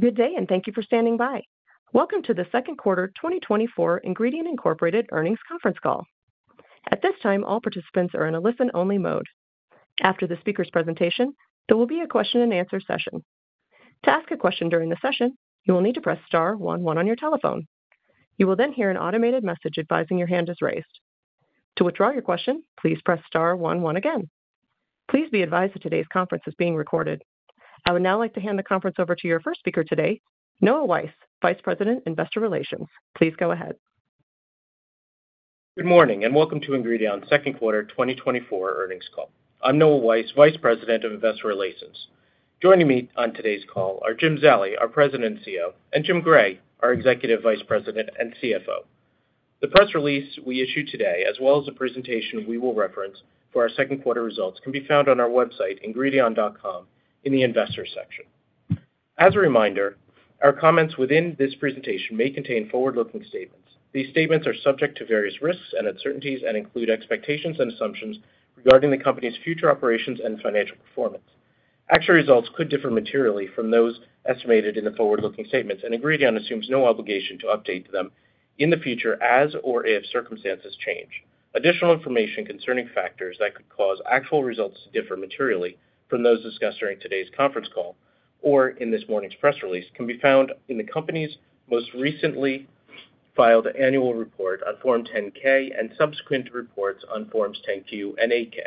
Good day, and thank you for standing by. Welcome to the second quarter 2024 Ingredion Incorporated Earnings Conference Call. At this time, all participants are in a listen-only mode. After the speaker's presentation, there will be a question-and-answer session. To ask a question during the session, you will need to press star one one on your telephone. You will then hear an automated message advising your hand is raised. To withdraw your question, please press star one one again. Please be advised that today's conference is being recorded. I would now like to hand the conference over to your first speaker today, Noah Weiss, Vice President, Investor Relations. Please go ahead. Good morning, and welcome to Ingredion's second quarter 2024 earnings call. I'm Noah Weiss, Vice President of Investor Relations. Joining me on today's call are Jim Zallie, our President and CEO, and Jim Gray, our Executive Vice President and CFO. The press release we issued today, as well as the presentation we will reference for our second quarter results, can be found on our website, Ingredion.com, in the Investors section. As a reminder, our comments within this presentation may contain forward-looking statements. These statements are subject to various risks and uncertainties and include expectations and assumptions regarding the company's future operations and financial performance. Actual results could differ materially from those estimated in the forward-looking statements, and Ingredion assumes no obligation to update them in the future as or if circumstances change. Additional information concerning factors that could cause actual results to differ materially from those discussed during today's conference call or in this morning's press release can be found in the company's most recently filed annual report on Form 10-K and subsequent reports on Forms 10-Q and 8-K.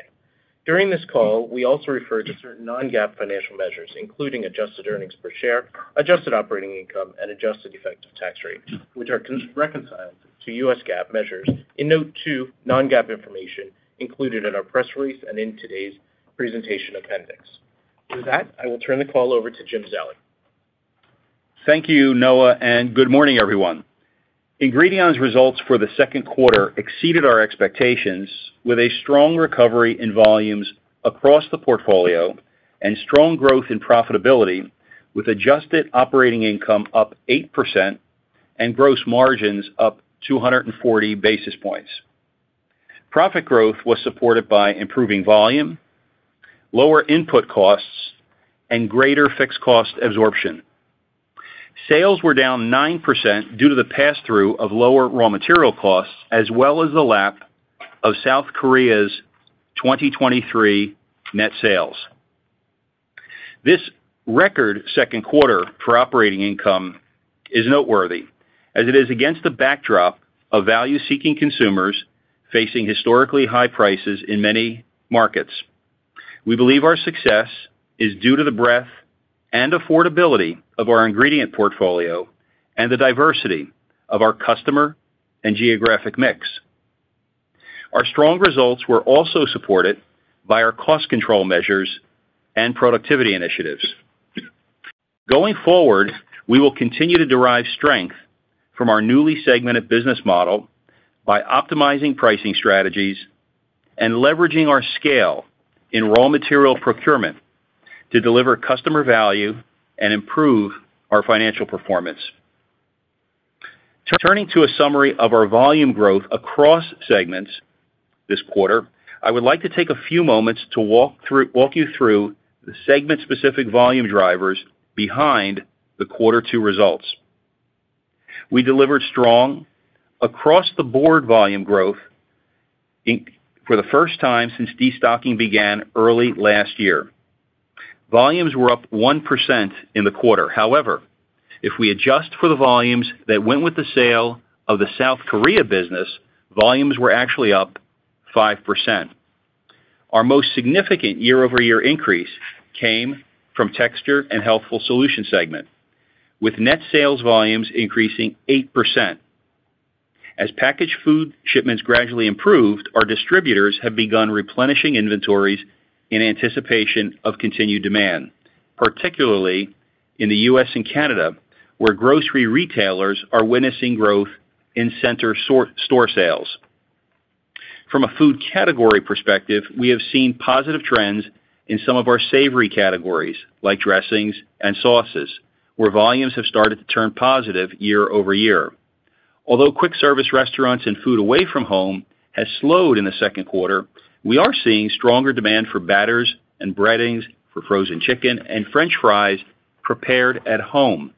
During this call, we also refer to certain non-GAAP financial measures, including adjusted earnings per share, adjusted operating income, and adjusted effective tax rate, which are reconciled to U.S. GAAP measures in note two, non-GAAP information included in our press release and in today's presentation appendix. With that, I will turn the call over to Jim Zallie. Thank you, Noah, and good morning, everyone. Ingredion's results for the second quarter exceeded our expectations, with a strong recovery in volumes across the portfolio and strong growth in profitability, with adjusted operating income up 8% and gross margins up 240 basis points. Profit growth was supported by improving volume, lower input costs, and greater fixed cost absorption. Sales were down 9% due to the pass-through of lower raw material costs, as well as the lap of South Korea's 2023 net sales. This record second quarter for operating income is noteworthy, as it is against the backdrop of value-seeking consumers facing historically high prices in many markets. We believe our success is due to the breadth and affordability of our ingredient portfolio and the diversity of our customer and geographic mix. Our strong results were also supported by our cost control measures and productivity initiatives. Going forward, we will continue to derive strength from our newly segmented business model by optimizing pricing strategies and leveraging our scale in raw material procurement to deliver customer value and improve our financial performance. Turning to a summary of our volume growth across segments this quarter, I would like to take a few moments to walk you through the segment-specific volume drivers behind the quarter two results. We delivered strong across-the-board volume growth for the first time since destocking began early last year. Volumes were up 1% in the quarter. However, if we adjust for the volumes that went with the sale of the South Korea business, volumes were actually up 5%. Our most significant year-over-year increase came from Texture and Healthful Solutions segment, with net sales volumes increasing 8%. As packaged food shipments gradually improved, our distributors have begun replenishing inventories in anticipation of continued demand, particularly in the U.S. and Canada, where grocery retailers are witnessing growth in center-store sales. From a food category perspective, we have seen positive trends in some of our savory categories, like dressings and sauces, where volumes have started to turn positive year-over-year. Although quick service restaurants and food away from home has slowed in the second quarter, we are seeing stronger demand for batters and breadings, for frozen chicken and french fries prepared at home.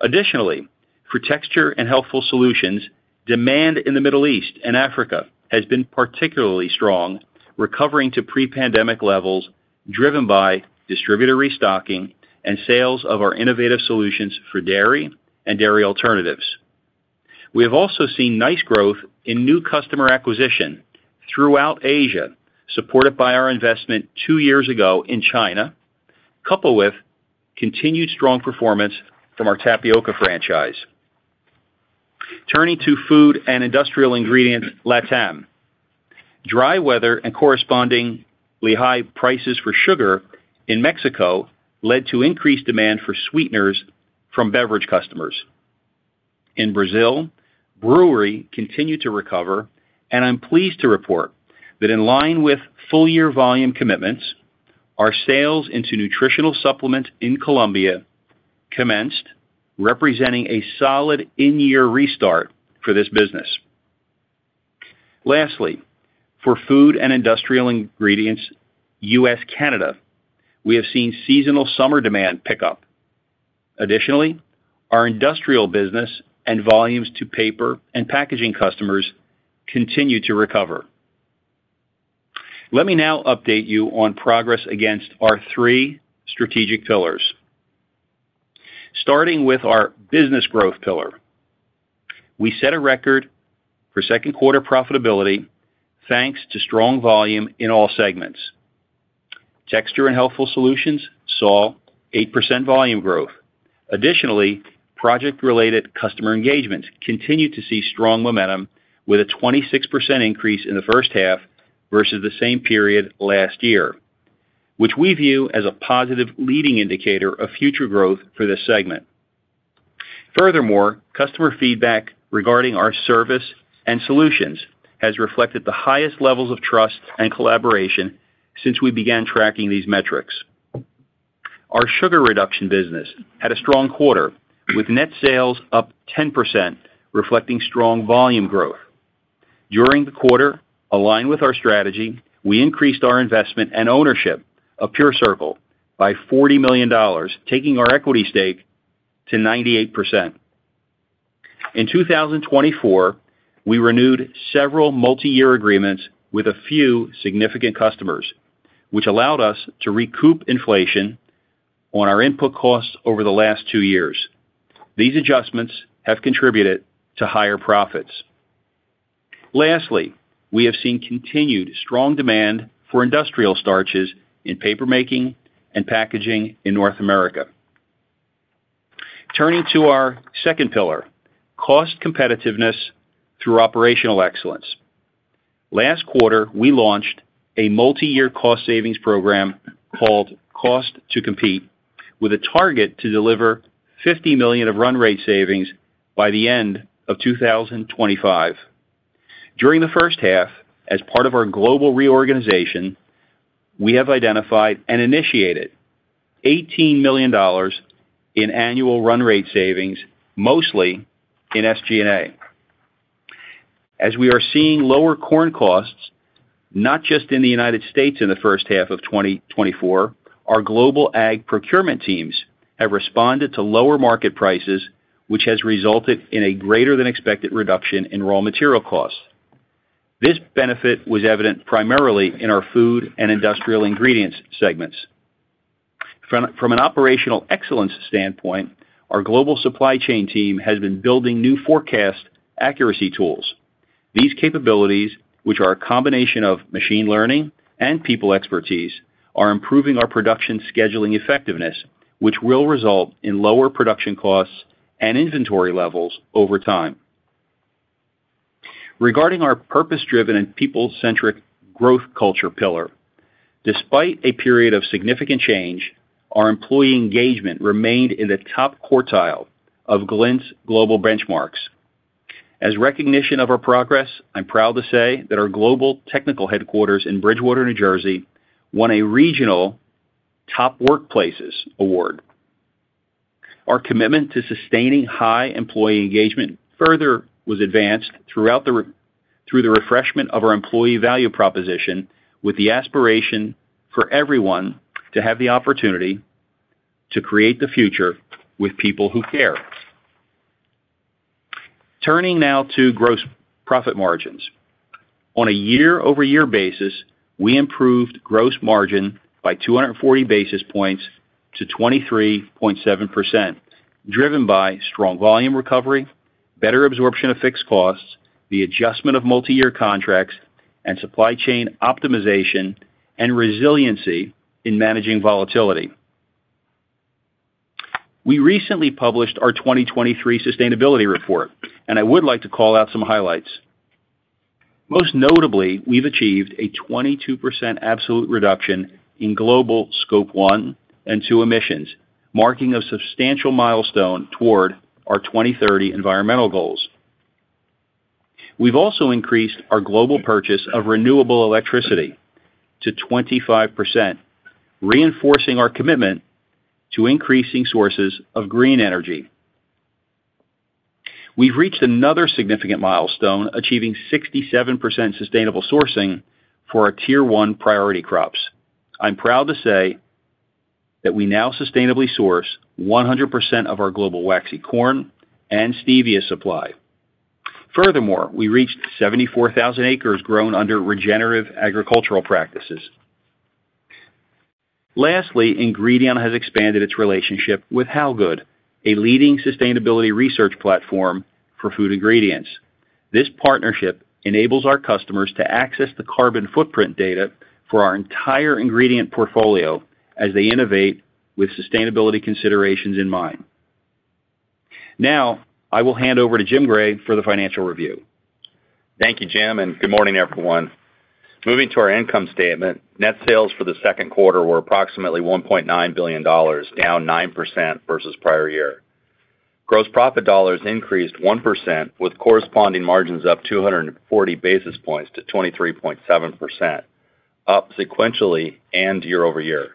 Additionally, for Texture and Healthful Solutions, demand in the Middle East and Africa has been particularly strong, recovering to pre-pandemic levels, driven by distributor restocking and sales of our innovative solutions for dairy and dairy alternatives. We have also seen nice growth in new customer acquisition throughout Asia, supported by our investment two years ago in China, coupled with continued strong performance from our tapioca franchise. Turning to Food & Industrial Ingredients-LATAM. Dry weather and correspondingly high prices for sugar in Mexico led to increased demand for sweeteners from beverage customers. In Brazil, brewery continued to recover, and I'm pleased to report that in line with full-year volume commitments, our sales into nutritional supplements in Colombia commenced, representing a solid in-year restart for this business. Lastly, for Food & Industrial Ingredients-US/Canada, we have seen seasonal summer demand pick up. Additionally, our industrial business and volumes to paper and packaging customers continue to recover. Let me now update you on progress against our three strategic pillars. Starting with our business growth pillar, we set a record for second quarter profitability, thanks to strong volume in all segments. Texture and Healthful Solutions saw 8% volume growth. Additionally, project-related customer engagements continued to see strong momentum, with a 26% increase in the first half versus the same period last year, which we view as a positive leading indicator of future growth for this segment. Furthermore, customer feedback regarding our service and solutions has reflected the highest levels of trust and collaboration since we began tracking these metrics. Our sugar reduction business had a strong quarter, with net sales up 10%, reflecting strong volume growth. During the quarter, aligned with our strategy, we increased our investment and ownership of PureCircle by $40 million, taking our equity stake to 98%. In 2024, we renewed several multiyear agreements with a few significant customers, which allowed us to recoup inflation on our input costs over the last two years. These adjustments have contributed to higher profits. Lastly, we have seen continued strong demand for industrial starches in paper making and packaging in North America. Turning to our second pillar, cost competitiveness through operational excellence. Last quarter, we launched a multiyear cost savings program called Cost to Compete, with a target to deliver $50 million of run rate savings by the end of 2025. During the first half, as part of our global reorganization, we have identified and initiated $18 million in annual run rate savings, mostly in SG&A. As we are seeing lower corn costs, not just in the United States in the first half of 2024, our global ag procurement teams have responded to lower market prices, which has resulted in a greater than expected reduction in raw material costs. This benefit was evident primarily in our Food and Industrial Ingredients segments. From an operational excellence standpoint, our global supply chain team has been building new forecast accuracy tools. These capabilities, which are a combination of machine learning and people expertise, are improving our production scheduling effectiveness, which will result in lower production costs and inventory levels over time. Regarding our purpose-driven and people-centric growth culture pillar, despite a period of significant change, our employee engagement remained in the top quartile of Glint's global benchmarks. As recognition of our progress, I'm proud to say that our global technical headquarters in Bridgewater, New Jersey, won a regional Top Workplaces award. Our commitment to sustaining high employee engagement further was advanced through the refreshment of our employee value proposition, with the aspiration for everyone to have the opportunity to create the future with people who care. Turning now to gross profit margins. On a year-over-year basis, we improved gross margin by 240 basis points to 23.7%, driven by strong volume recovery, better absorption of fixed costs, the adjustment of multiyear contracts, and supply chain optimization and resiliency in managing volatility. We recently published our 2023 sustainability report, and I would like to call out some highlights. Most notably, we've achieved a 22% absolute reduction in global Scope 1 and 2 emissions, marking a substantial milestone toward our 2030 environmental goals. We've also increased our global purchase of renewable electricity to 25%, reinforcing our commitment to increasing sources of green energy. We've reached another significant milestone, achieving 67% sustainable sourcing for our Tier one priority crops. I'm proud to say that we now sustainably source 100% of our global waxy corn and stevia supply. Furthermore, we reached 74,000 acres grown under regenerative agricultural practices. Lastly, Ingredion has expanded its relationship with HowGood, a leading sustainability research platform for food ingredients. This partnership enables our customers to access the carbon footprint data for our entire ingredient portfolio as they innovate with sustainability considerations in mind. Now, I will hand over to Jim Gray for the financial review. Thank you, Jim, and good morning, everyone. Moving to our income statement, net sales for the second quarter were approximately $1.9 billion, down 9% versus prior year. Gross profit dollars increased 1%, with corresponding margins up 240 basis points to 23.7%, up sequentially and year-over-year.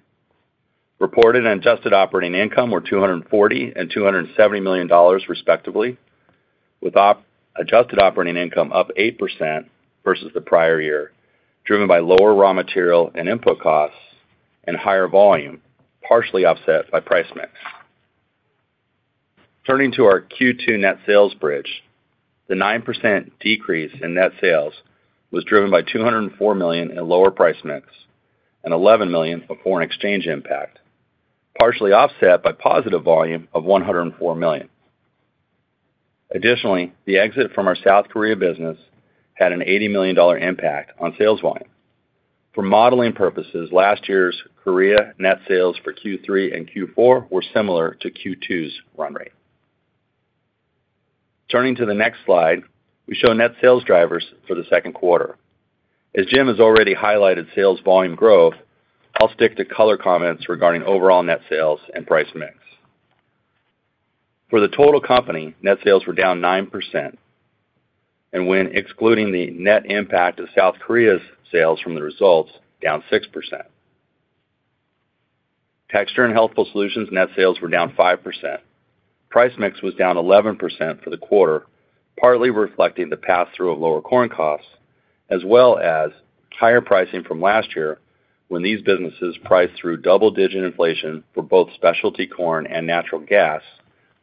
Reported and adjusted operating income were $240 million and $270 million, respectively, with adjusted operating income up 8% versus the prior year, driven by lower raw material and input costs and higher volume, partially offset by price mix. Turning to our Q2 net sales bridge, the 9% decrease in net sales was driven by $204 million in lower price mix and $11 million of foreign exchange impact, partially offset by positive volume of $104 million. Additionally, the exit from our South Korea business had a $80 million impact on sales volume. For modeling purposes, last year's Korea net sales for Q3 and Q4 were similar to Q2's run rate. Turning to the next slide, we show net sales drivers for the second quarter. As Jim has already highlighted sales volume growth, I'll stick to color comments regarding overall net sales and price mix. For the total company, net sales were down 9%, and when excluding the net impact of South Korea's sales from the results, down 6%. Texture and Healthful Solutions net sales were down 5%. Price mix was down 11% for the quarter, partly reflecting the pass-through of lower corn costs, as well as higher pricing from last year, when these businesses priced through double-digit inflation for both specialty corn and natural gas,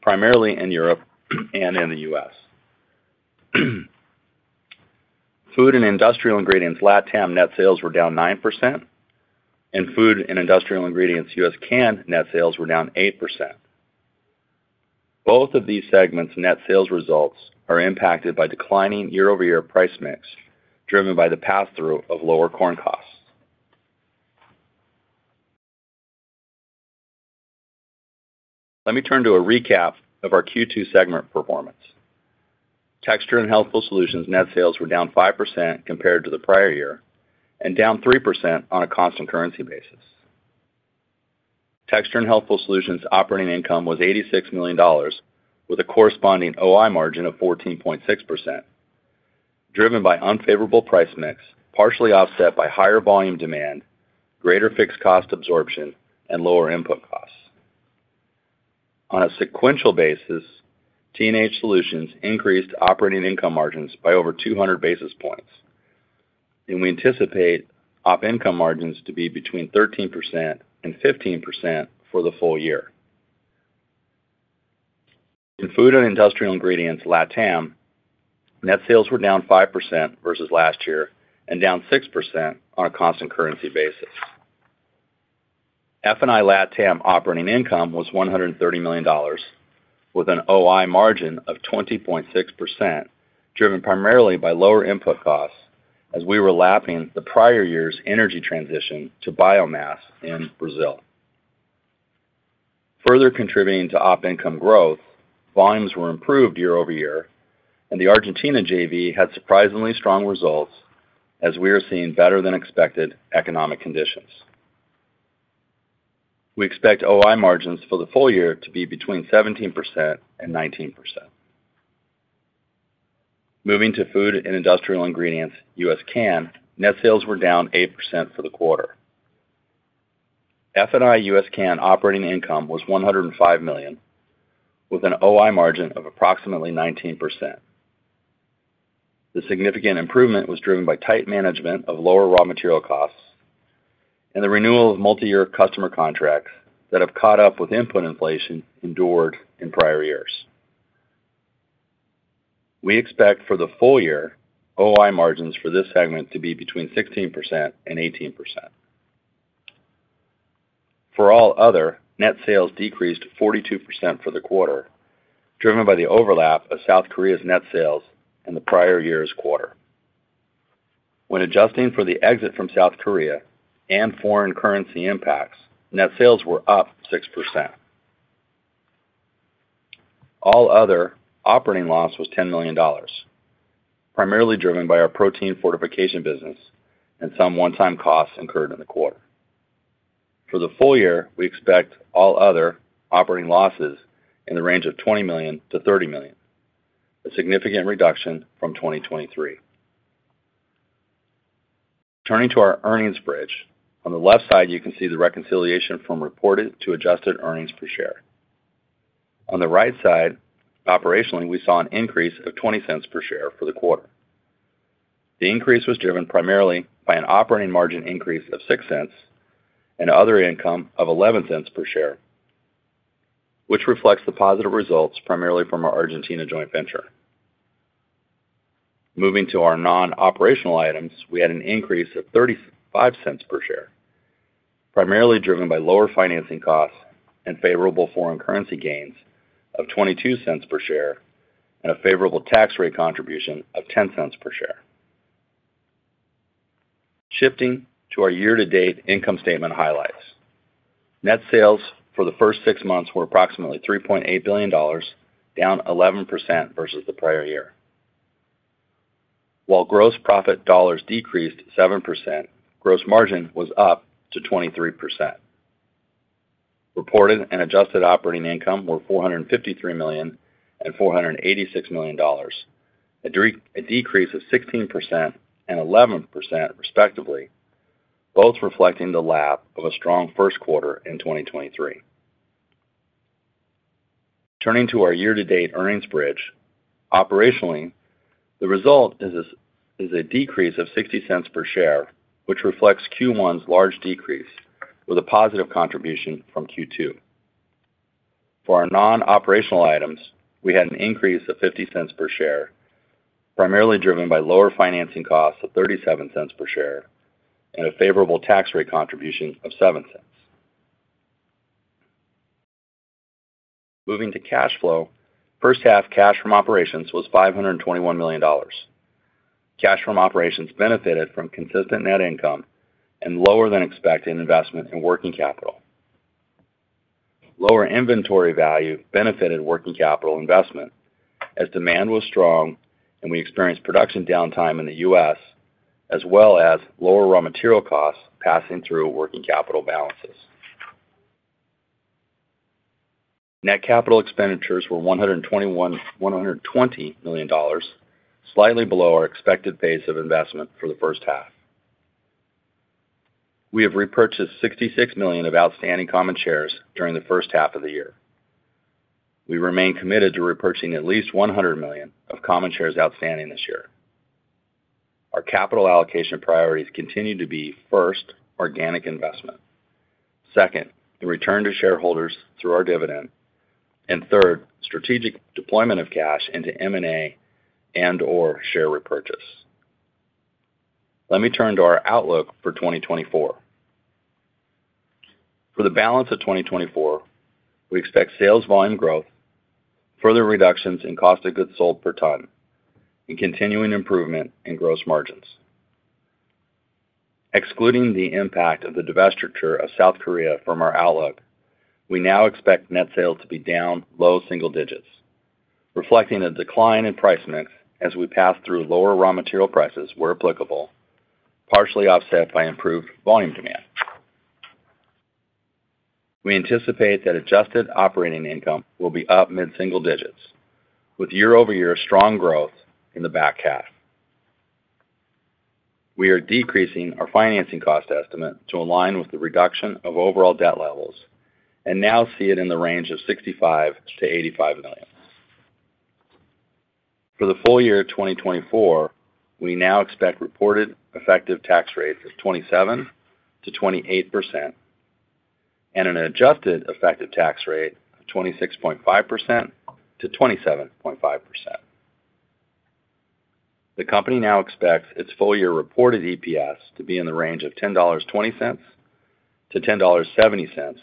primarily in Europe and in the US. Food and Industrial Ingredients LATAM net sales were down 9%, and Food and Industrial Ingredients US/Canada net sales were down 8%. Both of these segments' net sales results are impacted by declining year-over-year price mix, driven by the pass-through of lower corn costs. Let me turn to a recap of our Q2 segment performance. Texture and Healthful Solutions net sales were down 5% compared to the prior year and down 3% on a constant currency basis. Texture and Healthful Solutions operating income was $86 million, with a corresponding OI margin of 14.6%, driven by unfavorable price mix, partially offset by higher volume demand, greater fixed cost absorption, and lower input costs. On a sequential basis, T&H Solutions increased operating income margins by over 200 basis points, and we anticipate op income margins to be between 13% and 15% for the full year. In Food and Industrial Ingredients LATAM, net sales were down 5% versus last year and down 6% on a constant currency basis. F&I LATAM operating income was $130 million, with an OI margin of 20.6%, driven primarily by lower input costs as we were lapping the prior year's energy transition to biomass in Brazil. Further contributing to operating income growth, volumes were improved year-over-year, and the Argentina JV had surprisingly strong results as we are seeing better-than-expected economic conditions. We expect OI margins for the full year to be between 17% and 19%. Moving to Food and Industrial Ingredients U.S./Canada, net sales were down 8% for the quarter. F&I U.S./Canada operating income was $105 million, with an OI margin of approximately 19%. The significant improvement was driven by tight management of lower raw material costs and the renewal of multiyear customer contracts that have caught up with input inflation endured in prior years. We expect for the full year, OI margins for this segment to be between 16% and 18%. For all other, net sales decreased 42% for the quarter, driven by the overlap of South Korea's net sales in the prior year's quarter. When adjusting for the exit from South Korea and foreign currency impacts, net sales were up 6%. All other operating loss was $10 million, primarily driven by our protein fortification business and some one-time costs incurred in the quarter. For the full year, we expect all other operating losses in the range of $20 million-$30 million, a significant reduction from 2023. Turning to our earnings bridge, on the left side, you can see the reconciliation from reported to adjusted earnings per share. On the right side, operationally, we saw an increase of $0.20 per share for the quarter. The increase was driven primarily by an operating margin increase of $0.06 and other income of $0.11 per share, which reflects the positive results primarily from our Argentina joint venture. Moving to our non-operational items, we had an increase of $0.35 per share, primarily driven by lower financing costs and favorable foreign currency gains of $0.22 per share and a favorable tax rate contribution of $0.10 per share. Shifting to our year-to-date income statement highlights. Net sales for the first six months were approximately $3.8 billion, down 11% versus the prior year. While gross profit dollars decreased 7%, gross margin was up to 23%. Reported and adjusted operating income were $453 million and $486 million, A decrease of 16% and 11% respectively, both reflecting the lapped of a strong first quarter in 2023. Turning to our year-to-date earnings bridge. Operationally, the result is a decrease of $0.60 per share, which reflects Q1's large decrease with a positive contribution from Q2. For our non-operational items, we had an increase of $0.50 per share, primarily driven by lower financing costs of $0.37 per share and a favorable tax rate contribution of $0.07. Moving to cash flow. First half cash from operations was $521 million. Cash from operations benefited from consistent net income and lower than expected investment in working capital. Lower inventory value benefited working capital investment as demand was strong and we experienced production downtime in the U.S., as well as lower raw material costs passing through working capital balances. Net capital expenditures were $120 million, slightly below our expected pace of investment for the first half. We have repurchased $66 million of outstanding common shares during the first half of the year. We remain committed to repurchasing at least $100 million of common shares outstanding this year. Our capital allocation priorities continue to be, first, organic investment, second, the return to shareholders through our dividend, and third, strategic deployment of cash into M&A and/or share repurchase. Let me turn to our outlook for 2024. For the balance of 2024, we expect sales volume growth, further reductions in cost of goods sold per ton, and continuing improvement in gross margins. Excluding the impact of the divestiture of South Korea from our outlook, we now expect net sales to be down low single digits, reflecting a decline in price mix as we pass through lower raw material prices, where applicable, partially offset by improved volume demand. We anticipate that adjusted operating income will be up mid-single digits, with year-over-year strong growth in the back half. We are decreasing our financing cost estimate to align with the reduction of overall debt levels and now see it in the range of $65 million to $85 million. For the full year of 2024, we now expect reported effective tax rates of 27%-28% and an adjusted effective tax rate of 26.5%-27.5%. The company now expects its full year reported EPS to be in the range of $10.20-$10.70,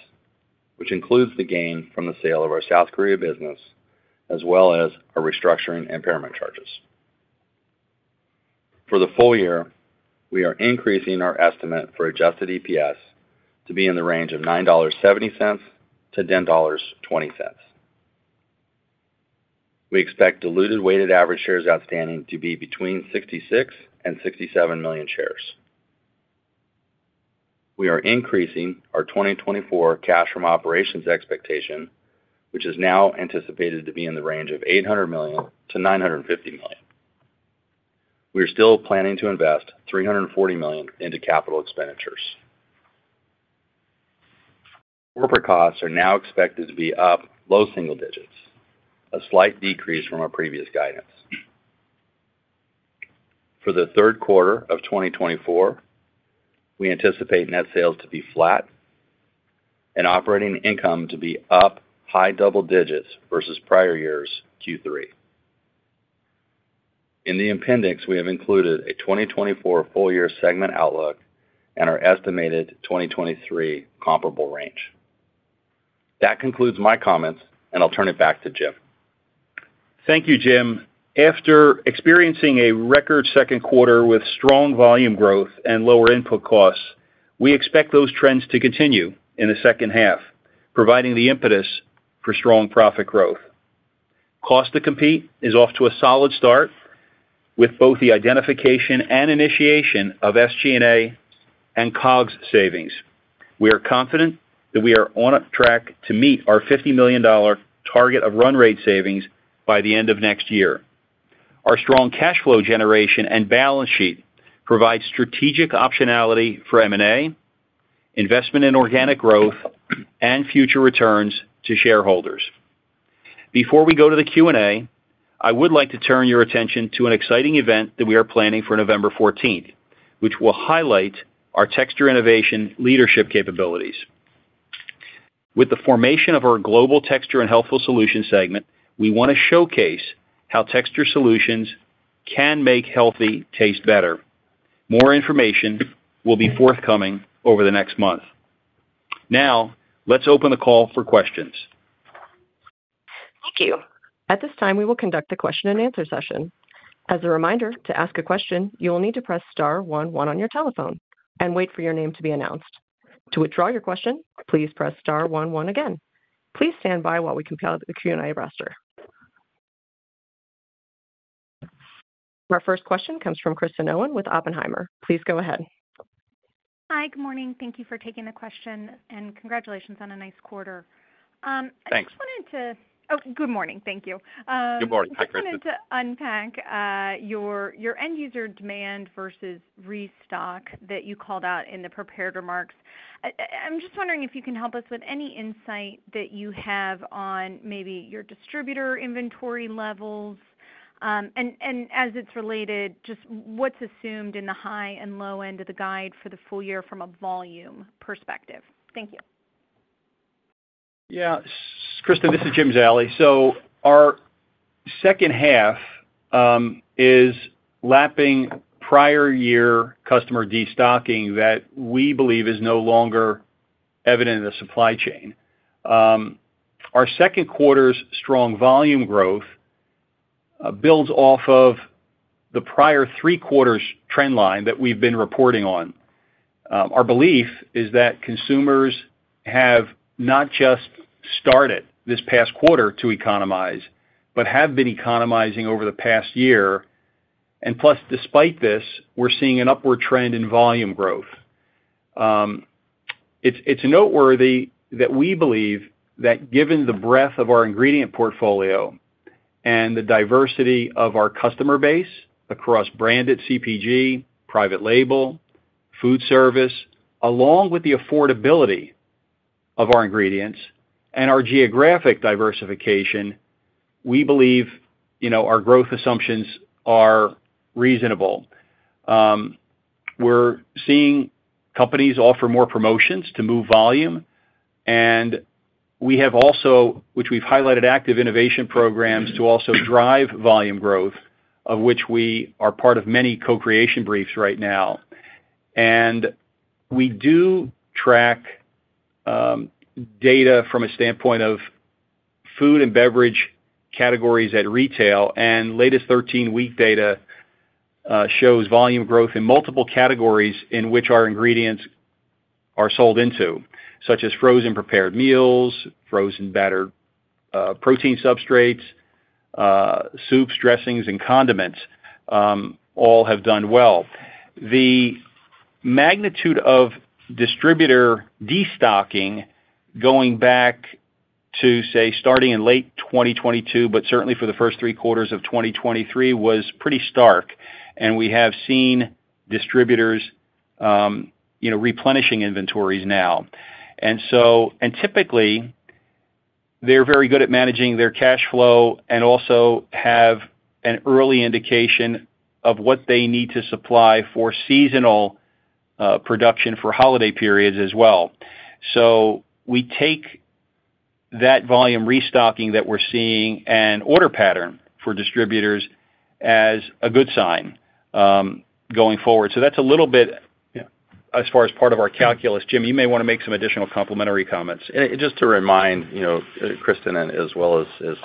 which includes the gain from the sale of our South Korea business, as well as our restructuring impairment charges. For the full year, we are increasing our estimate for adjusted EPS to be in the range of $9.70-$10.20. We expect diluted weighted average shares outstanding to be between 66-67 million shares. We are increasing our 2024 cash from operations expectation, which is now anticipated to be in the range of $800 million-$950 million. We are still planning to invest $340 million into capital expenditures. Corporate costs are now expected to be up low single digits, a slight decrease from our previous guidance. For the third quarter of 2024, we anticipate net sales to be flat and operating income to be up high double digits versus prior year's Q3. In the appendix, we have included a 2024 full year segment outlook and our estimated 2023 comparable range. That concludes my comments, and I'll turn it back to Jim. Thank you, Jim. After experiencing a record second quarter with strong volume growth and lower input costs, we expect those trends to continue in the second half, providing the impetus for strong profit growth. Cost to Compete is off to a solid start, with both the identification and initiation of SG&A and COGS savings. We are confident that we are on track to meet our $50 million target of run rate savings by the end of next year. Our strong cash flow generation and balance sheet provide strategic optionality for M&A, investment in organic growth, and future returns to shareholders. Before we go to the Q&A, I would like to turn your attention to an exciting event that we are planning for November 14th, which will highlight our texture innovation leadership capabilities. With the formation of our global Texture and Healthful Solutions segment, we want to showcase how texture solutions can make healthy taste better. More information will be forthcoming over the next month. Now, let's open the call for questions. Thank you. At this time, we will conduct a question-and-answer session. As a reminder, to ask a question, you will need to press star one one on your telephone and wait for your name to be announced. To withdraw your question, please press star one one again. Please stand by while we compile the Q&A roster. Our first question comes from Kristen Owen with Oppenheimer. Please go ahead. Hi, good morning. Thank you for taking the question, and congratulations on a nice quarter. Thanks. Oh, good morning. Thank you. Good morning. Hi, Kristen. I just wanted to unpack your end user demand versus restock that you called out in the prepared remarks. I'm just wondering if you can help us with any insight that you have on maybe your distributor inventory levels, and as it's related, just what's assumed in the high and low end of the guide for the full year from a volume perspective? Thank you. Yeah. Kristen, this is Jim Zallie. So our second half is lapping prior year customer destocking that we believe is no longer evident in the supply chain. Our second quarter's strong volume growth builds off of the prior three quarters trend line that we've been reporting on. Our belief is that consumers have not just started this past quarter to economize, but have been economizing over the past year. And plus, despite this, we're seeing an upward trend in volume growth. It's noteworthy that we believe that given the breadth of our ingredient portfolio and the diversity of our customer base across branded CPG, private label, food service, along with the affordability of our ingredients and our geographic diversification, we believe, you know, our growth assumptions are reasonable. We're seeing companies offer more promotions to move volume, and we have also, which we've highlighted, active innovation programs to also drive volume growth, of which we are part of many co-creation briefs right now. And we do track data from a standpoint of food and beverage categories at retail, and latest 13-week data shows volume growth in multiple categories in which our ingredients are sold into, such as frozen prepared meals, frozen battered protein substrates, soups, dressings, and condiments all have done well. The magnitude of distributor destocking, going back to, say, starting in late 2022, but certainly for the first three quarters of 2023, was pretty stark, and we have seen distributors, you know, replenishing inventories now. And so typically, they're very good at managing their cash flow and also have an early indication of what they need to supply for seasonal production for holiday periods as well. So we take that volume restocking that we're seeing and order pattern for distributors as a good sign, going forward. So that's a little bit, as far as part of our calculus. Jim, you may wanna make some additional complimentary comments. And just to remind, you know, Kristen, and as well as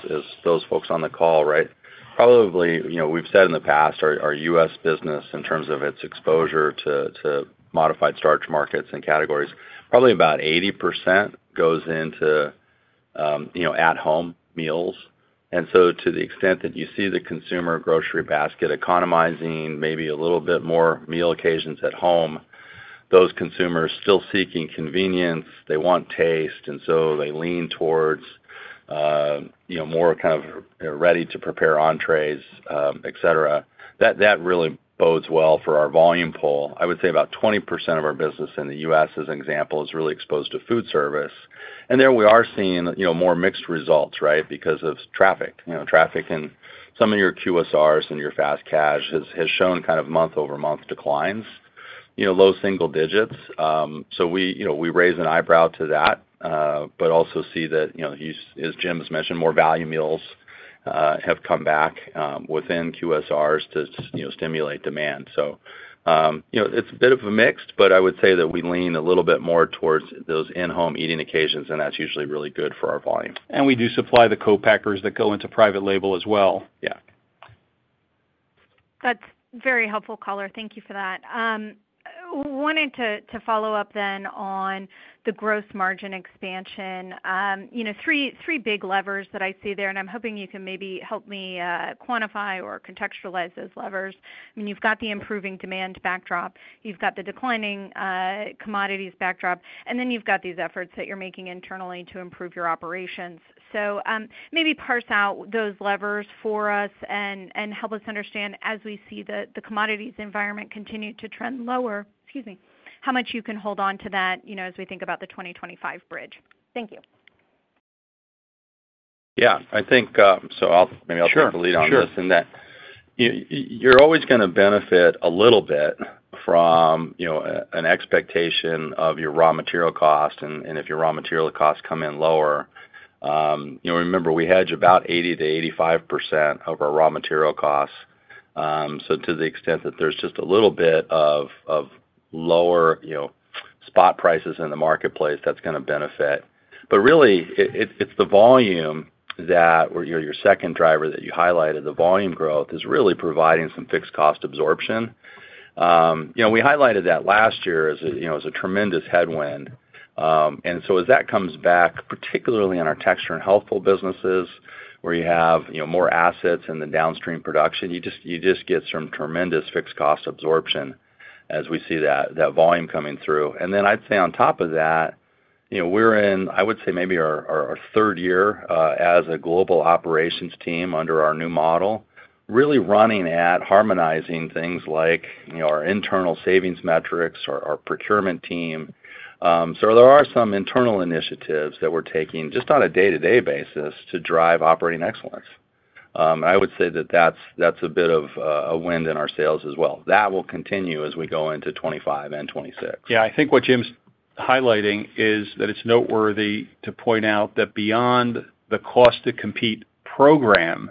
those folks on the call, right? Probably, you know, we've said in the past, our US business, in terms of its exposure to modified starch markets and categories, probably about 80% goes into, you know, at-home meals. And so to the extent that you see the consumer grocery basket economizing maybe a little bit more meal occasions at home, those consumers still seeking convenience, they want taste, and so they lean towards, you know, more kind of ready to prepare entrees, et cetera. That really bodes well for our volume pull. I would say about 20% of our business in the US, as an example, is really exposed to food service. And there we are seeing, you know, more mixed results, right, because of traffic. You know, traffic in some of your QSRs and your fast casual has shown kind of month-over-month declines, you know, low single digits. So we, you know, we raise an eyebrow to that, but also see that, you know, as Jim has mentioned, more value meals have come back within QSRs to, you know, stimulate demand. So, you know, it's a bit of a mix, but I would say that we lean a little bit more towards those in-home eating occasions, and that's usually really good for our volume. We do supply the co-packers that go into private label as well. Yeah. That's very helpful, caller. Thank you for that. Wanted to follow up then on the gross margin expansion. You know, three, three big levers that I see there, and I'm hoping you can maybe help me quantify or contextualize those levers. I mean, you've got the improving demand backdrop, you've got the declining commodities backdrop, and then you've got these efforts that you're making internally to improve your operations. Maybe parse out those levers for us and help us understand as we see the commodities environment continue to trend lower, excuse me, how much you can hold on to that, you know, as we think about the 2025 bridge. Thank you. Yeah, I think, so I'll. Maybe I'll take the lead on this- Sure. and that you, you're always gonna benefit a little bit from, you know, an expectation of your raw material cost, and, and if your raw material costs come in lower. You know, remember, we hedge about 80%-85% of our raw material costs. So to the extent that there's just a little bit of lower, you know, spot prices in the marketplace, that's gonna benefit. But really, it's the volume that, your second driver that you highlighted, the volume growth, is really providing some fixed cost absorption. You know, we highlighted that last year as a, you know, as a tremendous headwind... And so as that comes back, particularly in our Texture and Healthful businesses, where you have, you know, more assets in the downstream production, you just get some tremendous fixed cost absorption as we see that volume coming through. Then I'd say on top of that, you know, we're in, I would say, maybe our third year as a global operations team under our new model, really running at harmonizing things like, you know, our internal savings metrics, our procurement team. I would say that that's a bit of a wind in our sails as well. That will continue as we go into 2025 and 2026. Yeah, I think what Jim's highlighting is that it's noteworthy to point out that beyond the Cost to Compete program,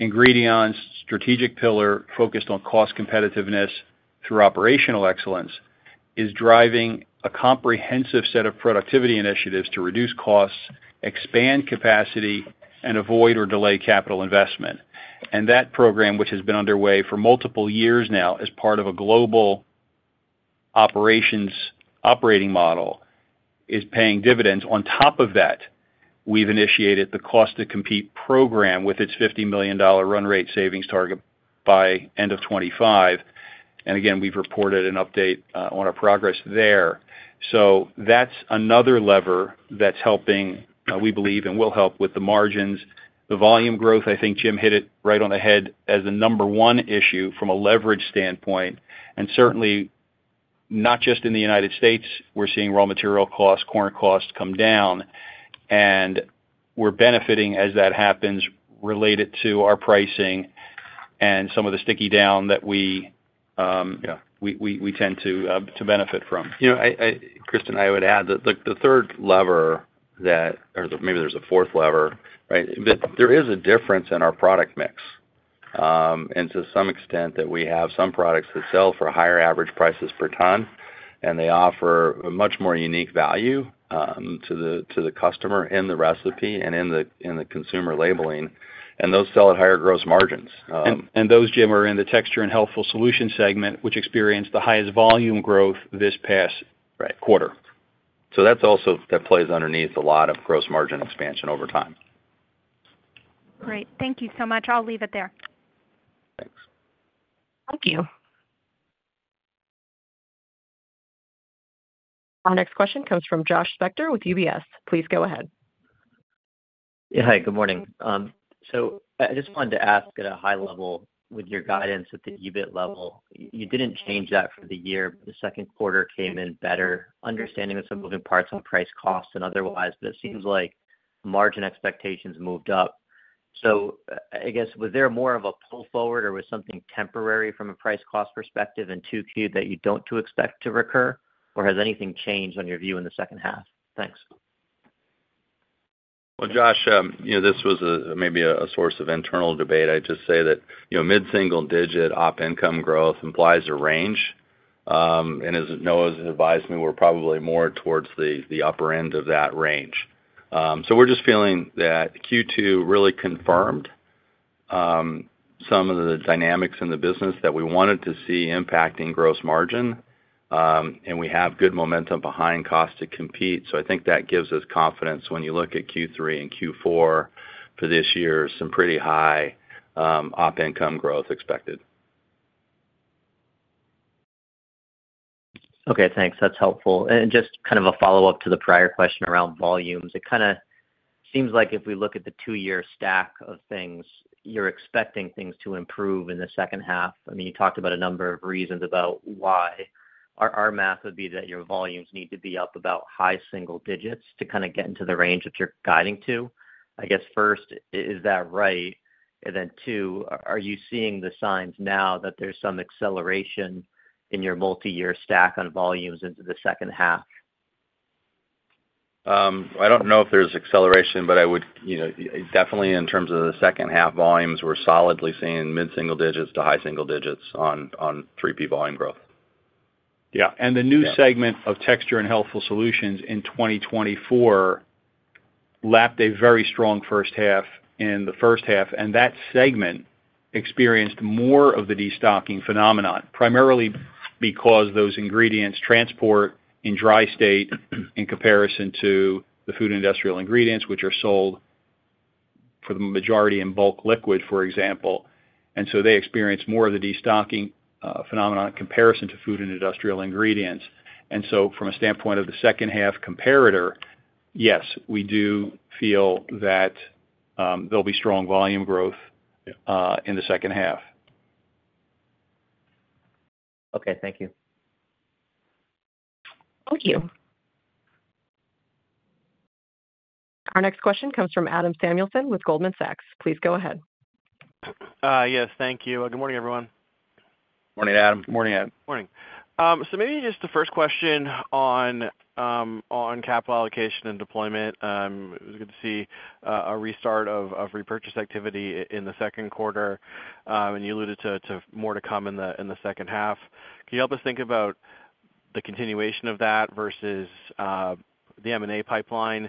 Ingredion's strategic pillar focused on cost competitiveness through operational excellence, is driving a comprehensive set of productivity initiatives to reduce costs, expand capacity, and avoid or delay capital investment. And that program, which has been underway for multiple years now, as part of a global operations operating model, is paying dividends. On top of that, we've initiated the Cost to Compete program with its $50 million run rate savings target by end of 2025. And again, we've reported an update on our progress there. So that's another lever that's helping, we believe, and will help with the margins. The volume growth, I think Jim hit it right on the head as the number one issue from a leverage standpoint, and certainly not just in the United States. We're seeing raw material costs, corn costs come down, and we're benefiting as that happens, related to our pricing and some of the stickiness down that we Yeah... we tend to benefit from. You know, Kristen, I would add that the third lever that, or maybe there's a fourth lever, right? That there is a difference in our product mix. And to some extent, that we have some products that sell for higher average prices per ton, and they offer a much more unique value to the customer in the recipe and in the consumer labeling, and those sell at higher gross margins. Those, Jim, are in the Texture and Healthful Solutions segment, which experienced the highest volume growth this past- Right ... quarter. That's also, that plays underneath a lot of gross margin expansion over time. Great. Thank you so much. I'll leave it there. Thanks. Thank you. Our next question comes from Josh Spector with UBS. Please go ahead. Yeah, hi, good morning. So I just wanted to ask at a high level, with your guidance at the EBIT level, you didn't change that for the year, but the second quarter came in better, understanding of some moving parts on price, cost, and otherwise, but it seems like margin expectations moved up. So I guess, was there more of a pull forward, or was something temporary from a price cost perspective and Q2 that you don't expect to recur? Or has anything changed on your view in the second half? Thanks. Well, Josh, you know, this was maybe a source of internal debate. I'd just say that, you know, mid-single-digit op income growth implies a range, and as Noah has advised me, we're probably more towards the upper end of that range. So we're just feeling that Q2 really confirmed some of the dynamics in the business that we wanted to see impacting gross margin, and we have good momentum behind Cost to Compete. So I think that gives us confidence when you look at Q3 and Q4 for this year, some pretty high op income growth expected. Okay, thanks. That's helpful. And just kind of a follow-up to the prior question around volumes. It kind of seems like if we look at the two-year stack of things, you're expecting things to improve in the second half. I mean, you talked about a number of reasons about why. Our math would be that your volumes need to be up about high single digits to kind of get into the range that you're guiding to. I guess, first, is that right? And then two, are you seeing the signs now that there's some acceleration in your multiyear stack on volumes into the second half? I don't know if there's acceleration, but I would, you know, definitely in terms of the second half volumes, we're solidly seeing mid-single digits to high single digits on 3Q volume growth. Yeah, and the new segment of Texture and Healthful Solutions in 2024 lapped a very strong first half in the first half, and that segment experienced more of the destocking phenomenon, primarily because those ingredients transport in dry state in comparison to the Food and Industrial Ingredients, which are sold for the majority in bulk liquid, for example. And so they experience more of the destocking phenomenon in comparison to Food and Industrial Ingredients. And so from a standpoint of the second half comparator, yes, we do feel that, there'll be strong volume growth- Yeah... in the second half. Okay. Thank you. Thank you. Our next question comes from Adam Samuelson with Goldman Sachs. Please go ahead. Yes, thank you. Good morning, everyone. Morning, Adam. Morning, Adam. Morning. So maybe just the first question on capital allocation and deployment. It was good to see a restart of repurchase activity in the second quarter, and you alluded to more to come in the second half. Can you help us think about the continuation of that versus the M&A pipeline,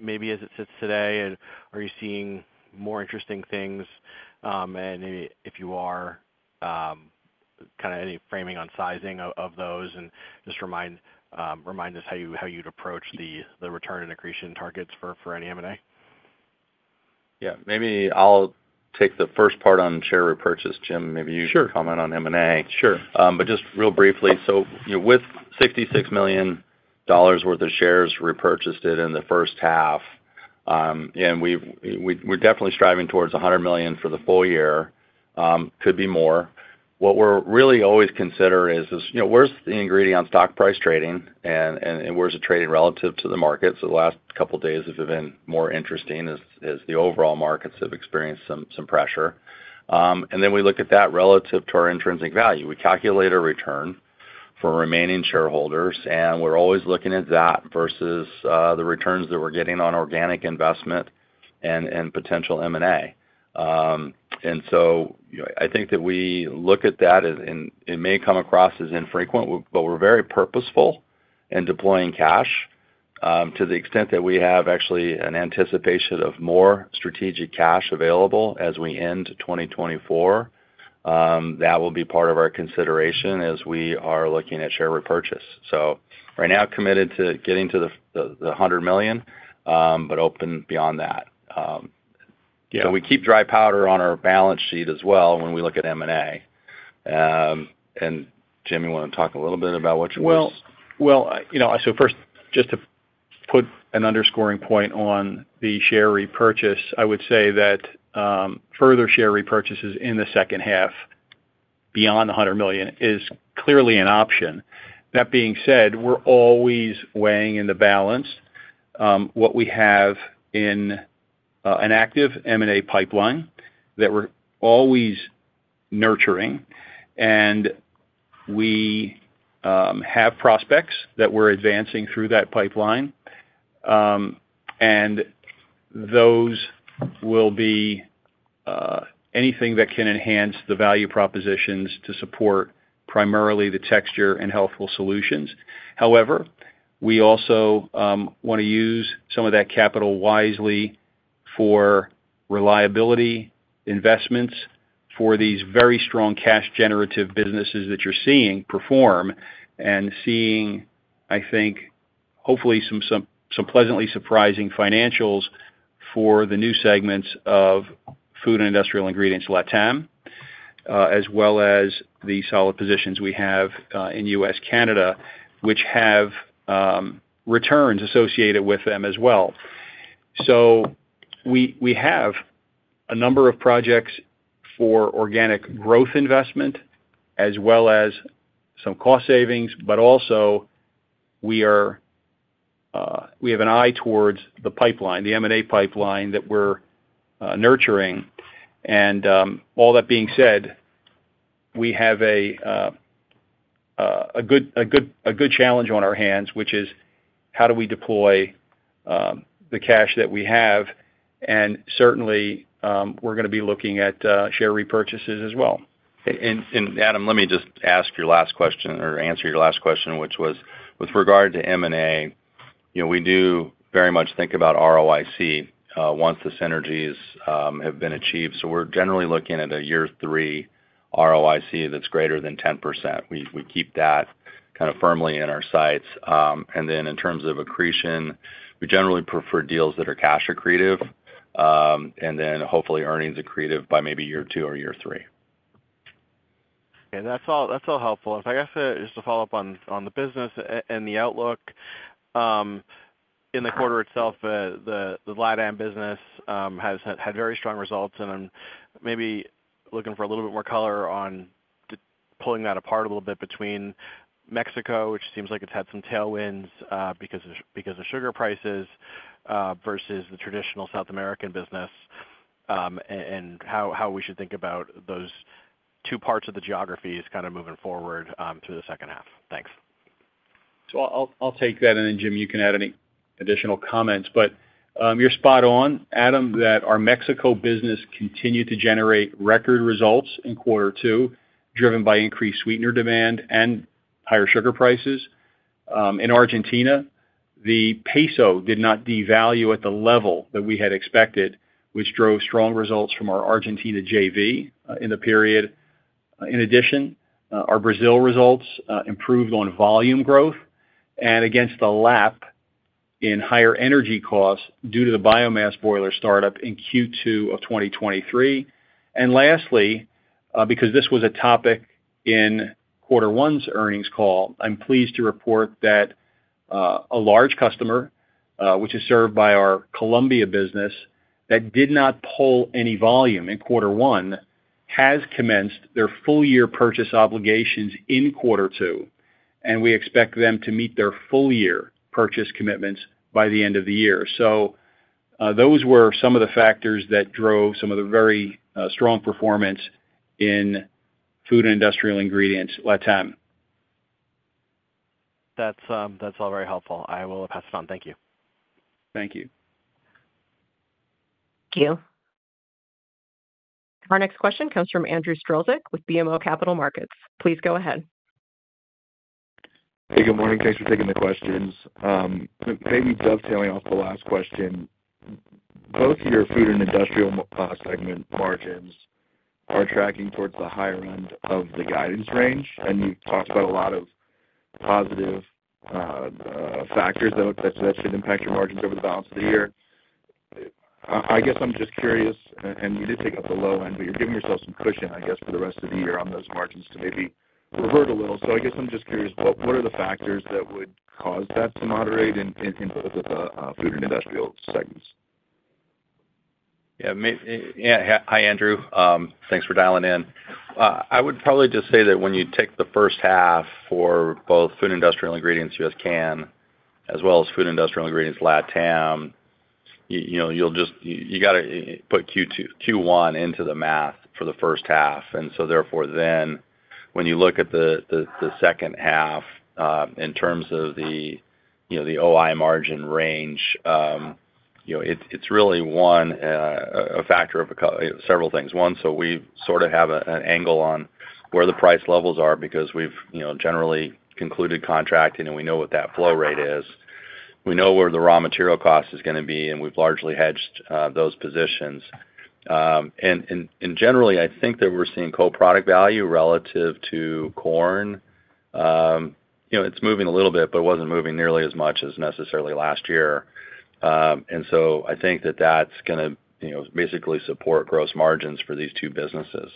maybe as it sits today? And are you seeing more interesting things? And if you are, kind of any framing on sizing of those, and just remind us how you'd approach the return and accretion targets for any M&A? Yeah. Maybe I'll take the first part on share repurchase, Jim. Maybe you- Sure. Can comment on M&A. Sure. But just real briefly, so, you know, with $66 million worth of shares repurchased in the first half, and we've-- we, we're definitely striving towards $100 million for the full year, could be more. What we're really always considering is, you know, where's the Ingredion stock price trading and, where's the trading relative to the market? So the last couple days have been more interesting as the overall markets have experienced some pressure. And then we look at that relative to our intrinsic value. We calculate our return for remaining shareholders, and we're always looking at that versus the returns that we're getting on organic investment and potential M&A. And so, you know, I think that we look at that, and it may come across as infrequent, but we're very purposeful in deploying cash to the extent that we have actually an anticipation of more strategic cash available as we end 2024. That will be part of our consideration as we are looking at share repurchase. So right now, committed to getting to the $100 million, but open beyond that. Yeah. So we keep dry powder on our balance sheet as well when we look at M&A. And Jim, you wanna talk a little bit about what your- Well, well, you know, so first, just to put an underscoring point on the share repurchase, I would say that further share repurchases in the second half, beyond the $100 million, is clearly an option. That being said, we're always weighing in the balance what we have in an active M&A pipeline that we're always nurturing, and we have prospects that we're advancing through that pipeline. And those will be anything that can enhance the value propositions to support primarily the Texture and Healthful Solutions. However, we also wanna use some of that capital wisely for reliability investments for these very strong cash generative businesses that you're seeing perform, and seeing, I think, hopefully some pleasantly surprising financials for the new segments of Food and Industrial Ingredients-LATAM, as well as the solid positions we have in U.S., Canada, which have returns associated with them as well. So we have a number of projects for organic growth investment, as well as some cost savings, but also we have an eye towards the pipeline, the M&A pipeline, that we're nurturing. And all that being said, we have a good challenge on our hands, which is: How do we deploy the cash that we have? Certainly, we're gonna be looking at share repurchases as well. Adam, let me just ask your last question or answer your last question, which was, with regard to M&A, you know, we do very much think about ROIC, once the synergies have been achieved. So we're generally looking at a year three ROIC that's greater than 10%. We keep that kind of firmly in our sights. And then in terms of accretion, we generally prefer deals that are cash accretive, and then hopefully earnings accretive by maybe year two or year three. Okay, that's all, that's all helpful. So I guess, just to follow up on the business and the outlook, in the quarter itself, the LATAM business has had very strong results, and I'm maybe looking for a little bit more color on pulling that apart a little bit between Mexico, which seems like it's had some tailwinds because of sugar prices, versus the traditional South American business, and how we should think about those two parts of the geographies kind of moving forward through the second half. Thanks. So I'll take that, and then Jim, you can add any additional comments. But you're spot on, Adam, that our Mexico business continued to generate record results in quarter two, driven by increased sweetener demand and higher sugar prices. In Argentina, the peso did not devalue at the level that we had expected, which drove strong results from our Argentina JV, in the period. In addition, our Brazil results improved on volume growth and against the lap in higher energy costs due to the biomass boiler startup in Q2 of 2023. Lastly, because this was a topic in quarter one's earnings call, I'm pleased to report that, a large customer, which is served by our Colombia business, that did not pull any volume in quarter one, has commenced their full year purchase obligations in quarter two, and we expect them to meet their full year purchase commitments by the end of the year. So, those were some of the factors that drove some of the very, strong performance in Food & Industrial Ingredients-LATAM. That's, that's all very helpful. I will pass it on. Thank you. Thank you. Thank you. Our next question comes from Andrew Strelzik with BMO Capital Markets. Please go ahead. Hey, good morning. Thanks for taking the questions. Maybe dovetailing off the last question, both your food and industrial segment margins are tracking towards the higher end of the guidance range, and you've talked about a lot of positive factors that should impact your margins over the balance of the year. I guess I'm just curious, and you did take up the low end, but you're giving yourself some cushion, I guess, for the rest of the year on those margins to maybe revert a little. So I guess I'm just curious, what are the factors that would cause that to moderate in both of the food and industrial segments? Yeah, yeah, hi, Andrew. Thanks for dialing in. I would probably just say that when you take the first half for both Food & Industrial Ingredients-US/Can, as well as Food & Industrial Ingredients-LATAM, you know, you'll just—you gotta put Q1 into the math for the first half. So therefore, when you look at the second half, in terms of the, you know, the OI margin range, you know, it's really one, a factor of several things. One, so we sort of have an angle on where the price levels are because we've, you know, generally concluded contracting, and we know what that flow rate is. We know where the raw material cost is gonna be, and we've largely hedged those positions. Generally, I think that we're seeing co-product value relative to corn. You know, it's moving a little bit, but it wasn't moving nearly as much as necessarily last year. And so I think that that's gonna, you know, basically support gross margins for these two businesses.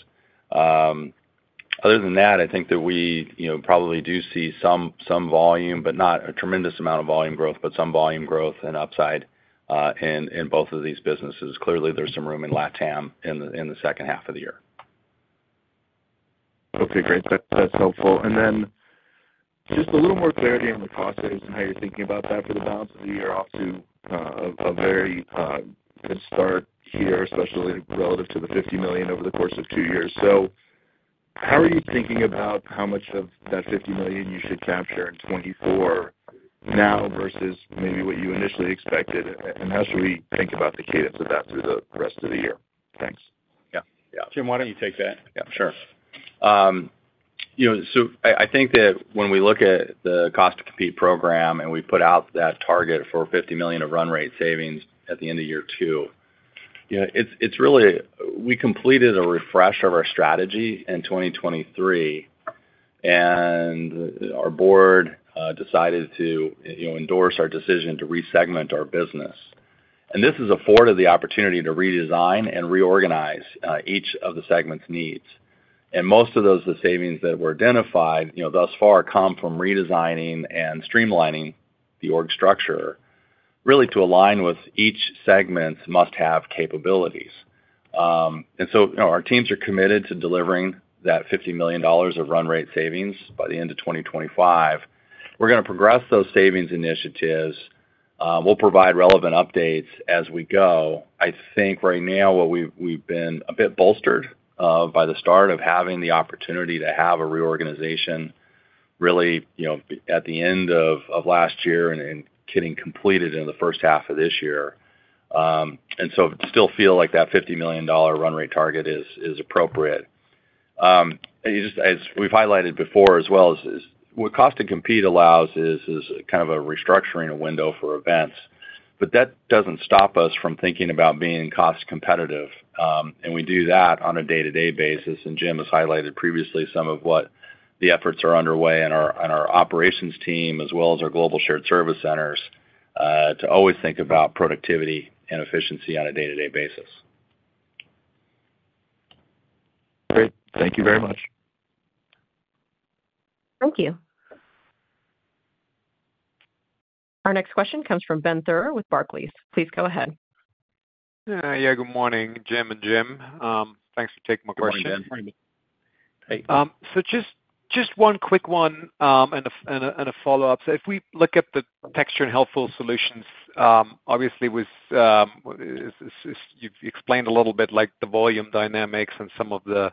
Other than that, I think that we, you know, probably do see some volume, but not a tremendous amount of volume growth, but some volume growth and upside in both of these businesses. Clearly, there's some room in LATAM in the second half of the year. Okay, great. That, that's helpful. And then just a little more clarity on the cost saves and how you're thinking about that for the balance of the year off to a very good start here, especially relative to the $50 million over the course of two years. So how are you thinking about how much of that $50 million you should capture in 2024 now versus maybe what you initially expected, and how should we think about the cadence of that through the rest of the year? Thanks. Yeah. Yeah. Jim, why don't you take that? Yeah, sure. You know, so I think that when we look at the Cost to Compete program, and we put out that target for $50 million of run rate savings at the end of year two, you know, it's really... We completed a refresh of our strategy in 2023, and our board decided to, you know, endorse our decision to resegment our business. And this has afforded the opportunity to redesign and reorganize each of the segment's needs. And most of those, the savings that were identified, you know, thus far, come from redesigning and streamlining the org structure, really to align with each segment's must-have capabilities. And so, you know, our teams are committed to delivering that $50 million of run rate savings by the end of 2025. We're gonna progress those savings initiatives. We'll provide relevant updates as we go. I think right now, what we've been a bit bolstered by the start of having the opportunity to have a reorganization, really, you know, at the end of last year and getting completed in the first half of this year. And so still feel like that $50 million run rate target is appropriate. Just as we've highlighted before, as well, is what Cost to Compete allows is kind of a restructuring window for events. But that doesn't stop us from thinking about being cost competitive, and we do that on a day-to-day basis. Jim has highlighted previously some of what the efforts are underway on our operations team, as well as our global shared service centers, to always think about productivity and efficiency on a day-to-day basis. Great. Thank you very much. Thank you. Our next question comes from Ben Theurer with Barclays. Please go ahead. Yeah, good morning, Jim and Jim. Thanks for taking my question. Good morning. Hey. So just one quick one, and a follow-up. So if we look at the Texture and Healthful Solutions, obviously, you've explained a little bit like the volume dynamics and some of the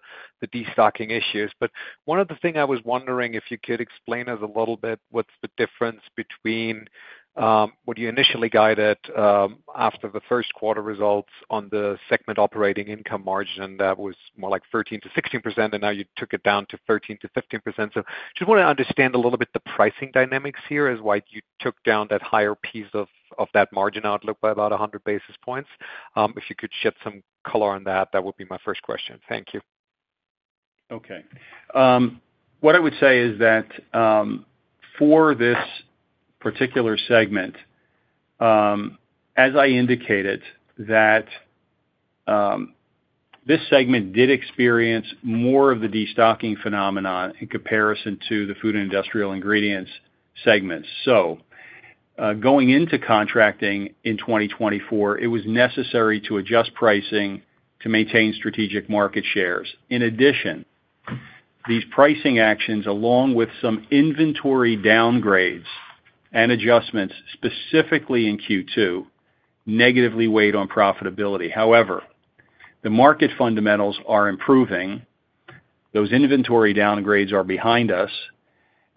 destocking issues. But one of the things I was wondering if you could explain us a little bit, what's the difference between what you initially guided after the first quarter results on the segment operating income margin, that was more like 13%-16%, and now you took it down to 13%-15%. So just wanna understand a little bit the pricing dynamics here is why you took down that higher piece of that margin outlook by about 100 basis points. If you could shed some color on that, that would be my first question. Thank you. Okay. What I would say is that, for this particular segment, as I indicated, that, this segment did experience more of the destocking phenomenon in comparison to the food and industrial ingredients segments. So, going into contracting in 2024, it was necessary to adjust pricing to maintain strategic market shares. In addition, these pricing actions, along with some inventory downgrades and adjustments, specifically in Q2, negatively weighed on profitability. However, the market fundamentals are improving, those inventory downgrades are behind us,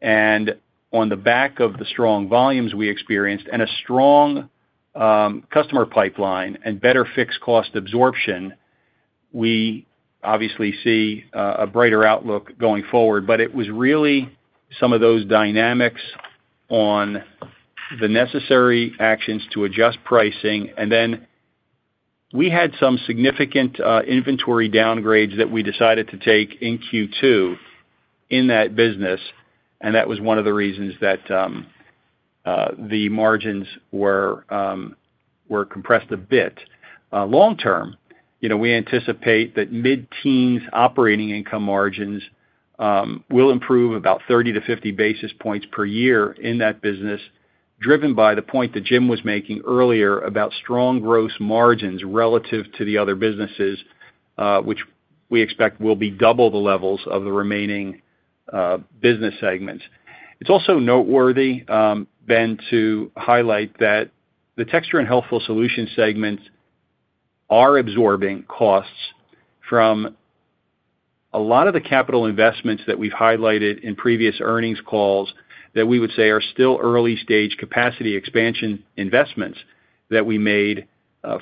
and on the back of the strong volumes we experienced and a strong, customer pipeline and better fixed cost absorption, we obviously see, a brighter outlook going forward. But it was really some of those dynamics on the necessary actions to adjust pricing. And then we had some significant inventory downgrades that we decided to take in Q2 in that business, and that was one of the reasons that the margins were compressed a bit. Long term, you know, we anticipate that mid-teens operating income margins will improve about 30-50 basis points per year in that business, driven by the point that Jim was making earlier about strong gross margins relative to the other businesses, which we expect will be double the levels of the remaining business segments. It's also noteworthy, Ben, to highlight that the Texture and Healthful Solutions segments are absorbing costs from a lot of the capital investments that we've highlighted in previous earnings calls, that we would say are still early-stage capacity expansion investments that we made.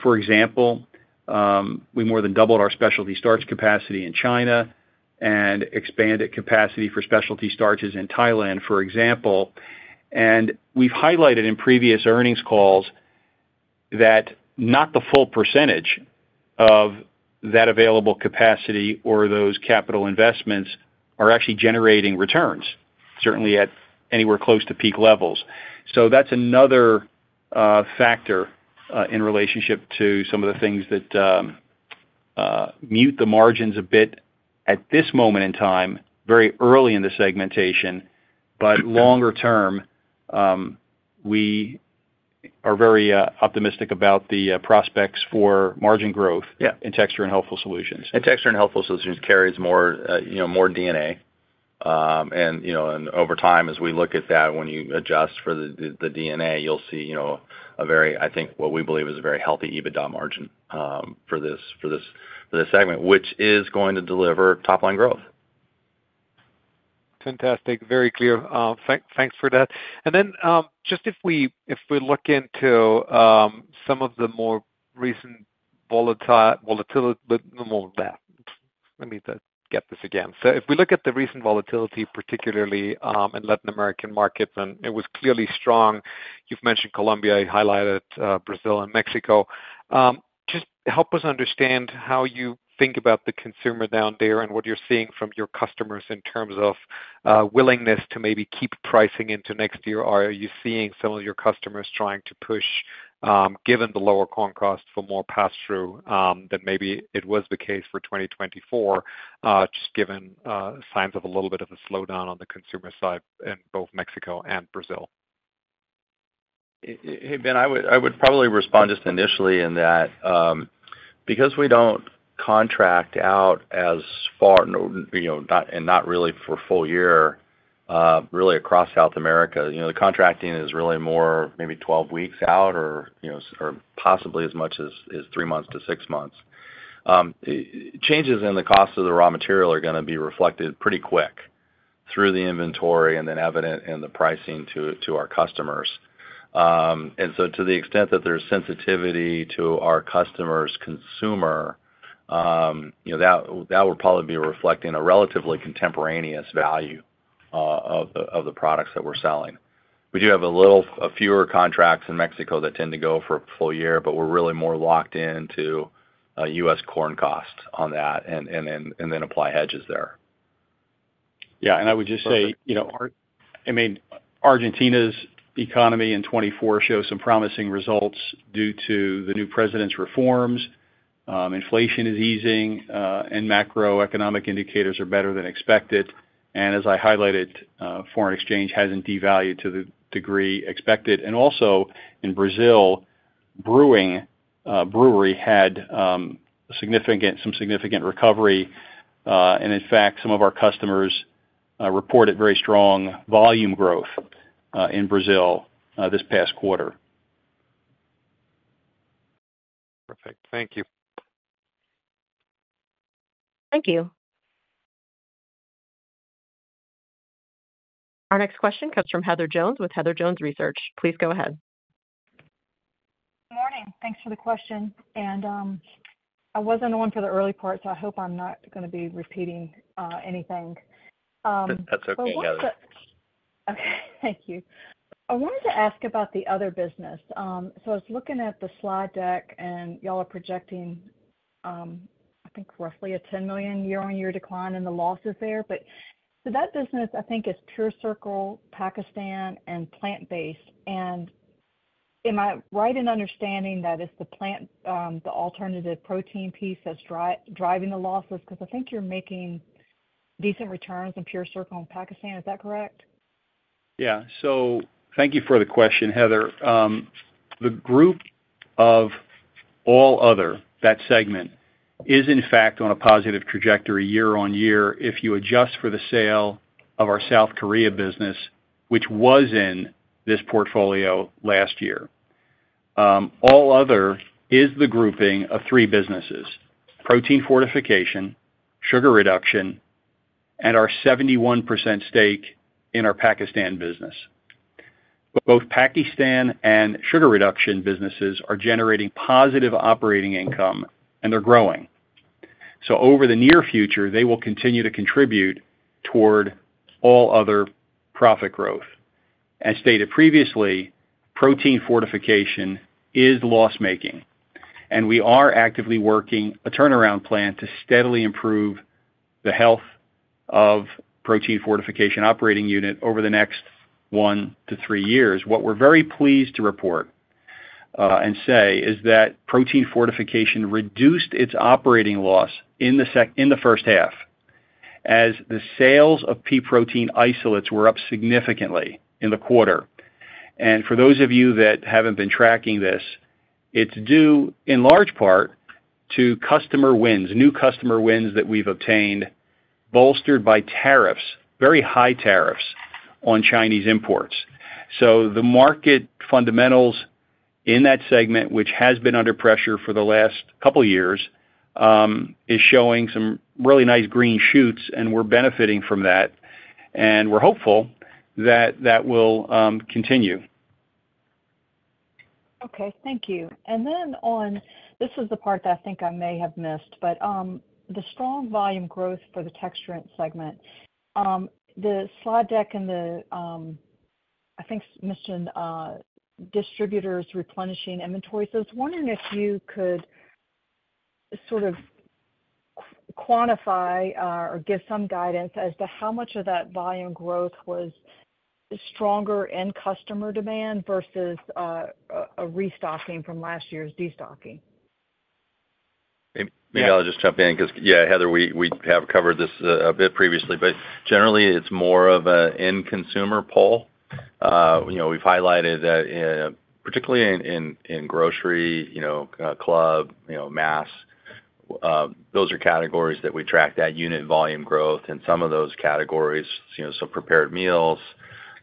For example, we more than doubled our specialty starch capacity in China and expanded capacity for specialty starches in Thailand, for example. We've highlighted in previous earnings calls that not the full percentage of that available capacity or those capital investments are actually generating returns, certainly at anywhere close to peak levels. So that's another factor in relationship to some of the things that mute the margins a bit at this moment in time, very early in the segmentation. But longer term, we are very optimistic about the prospects for margin growth- Yeah. - in Texture and Healthful Solutions. And Texture and Healthful Solutions carries more, you know, more D&A. And, you know, and over time, as we look at that, when you adjust for the D&A, you'll see, you know, a very, I think, what we believe is a very healthy EBITDA margin, for this segment, which is going to deliver top-line growth. Fantastic. Very clear. Thanks for that. And then, just if we look into some of the more recent volatility. So if we look at the recent volatility, particularly in Latin American markets, and it was clearly strong. You've mentioned Colombia, you highlighted Brazil and Mexico. Just help us understand how you think about the consumer down there and what you're seeing from your customers in terms of willingness to maybe keep pricing into next year. Are you seeing some of your customers trying to push, given the lower corn costs for more pass-through than maybe it was the case for 2024, just given signs of a little bit of a slowdown on the consumer side in both Mexico and Brazil? Hey, Ben, I would probably respond just initially in that, because we don't contract out as far, you know, not, and not really for full year, really across South America, you know, the contracting is really more maybe 12 weeks out or, you know, or possibly as much as three months to six months. Changes in the cost of the raw material are gonna be reflected pretty quick through the inventory and then evident in the pricing to our customers. And so to the extent that there's sensitivity to our customer's consumer, you know, that would probably be reflecting a relatively contemporaneous value of the products that we're selling. We do have a little fewer contracts in Mexico that tend to go for a full year, but we're really more locked into US corn costs on that and then apply hedges there. Yeah, and I would just say- Perfect. You know, I mean, Argentina's economy in 2024 shows some promising results due to the new president's reforms. Inflation is easing, and macroeconomic indicators are better than expected. And as I highlighted, foreign exchange hasn't devalued to the degree expected. And also, in Brazil, brewing, brewery had some significant recovery. And in fact, some of our customers reported very strong volume growth in Brazil this past quarter. Perfect. Thank you. Thank you. Our next question comes from Heather Jones with Heather Jones Research. Please go ahead. Morning. Thanks for the question, and I wasn't on for the early part, so I hope I'm not gonna be repeating anything. That's okay, Heather. Okay, thank you. I wanted to ask about the other business. So I was looking at the slide deck, and y'all are projecting, I think roughly a $10 million year-on-year decline in the losses there. But so that business, I think, is PureCircle, Pakistan, and plant-based. And am I right in understanding that it's the plant, the alternative protein piece that's driving the losses? Because I think you're making decent returns in PureCircle and Pakistan. Is that correct? Yeah. So thank you for the question, Heather. The group of all other, that segment, is in fact, on a positive trajectory year-on-year if you adjust for the sale of our South Korea business, which was in this portfolio last year. All other is the grouping of three businesses: protein fortification, sugar reduction, and our 71% stake in our Pakistan business. Both Pakistan and sugar reduction businesses are generating positive operating income, and they're growing. So over the near future, they will continue to contribute toward all other profit growth. As stated previously, protein fortification is loss-making, and we are actively working a turnaround plan to steadily improve the health of protein fortification operating unit over the next one to three years. What we're very pleased to report and say is that protein fortification reduced its operating loss in the first half, as the sales of pea protein isolates were up significantly in the quarter. For those of you that haven't been tracking this, it's due in large part to customer wins, new customer wins that we've obtained, bolstered by tariffs, very high tariffs on Chinese imports. The market fundamentals in that segment, which has been under pressure for the last couple of years, is showing some really nice green shoots, and we're benefiting from that, and we're hopeful that that will continue. Okay, thank you. And then on this is the part that I think I may have missed, but the strong volume growth for the texturant segment, the slide deck and the I think mentioned distributors replenishing inventory. So I was wondering if you could sort of quantify or give some guidance as to how much of that volume growth was stronger in customer demand versus a restocking from last year's destocking? Maybe I'll just jump in because, yeah, Heather, we have covered this a bit previously, but generally, it's more of an end consumer pull. You know, we've highlighted that, particularly in grocery, you know, club, you know, mass, those are categories that we track that unit volume growth in some of those categories, you know, so prepared meals,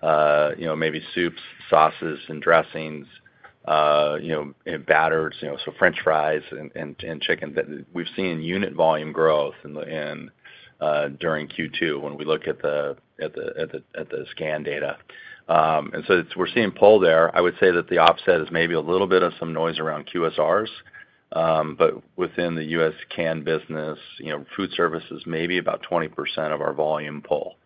you know, maybe soups, sauces and dressings, you know, and batters, you know, so french fries and chicken. That we've seen unit volume growth in the, during Q2 when we look at the scan data. And so it's—we're seeing pull there. I would say that the offset is maybe a little bit of some noise around QSRs, but within the U.S./Can business, you know, food service is maybe about 20% of our volume pull.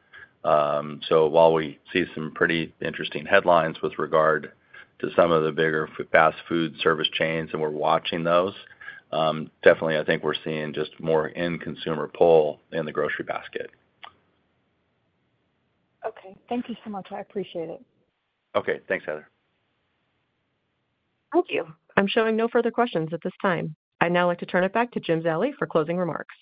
So while we see some pretty interesting headlines with regard to some of the bigger fast food service chains, and we're watching those, definitely, I think we're seeing just more end consumer pull in the grocery basket. Okay, thank you so much. I appreciate it. Okay. Thanks, Heather. Thank you. I'm showing no further questions at this time. I'd now like to turn it back to Jim Zallie for closing remarks.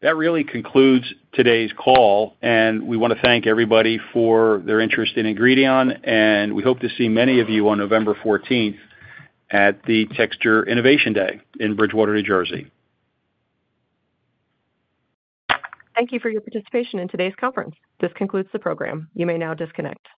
That really concludes today's call, and we want to thank everybody for their interest in Ingredion, and we hope to see many of you on November 14th at the Texture Innovation Day in Bridgewater, New Jersey. Thank you for your participation in today's conference. This concludes the program. You may now disconnect.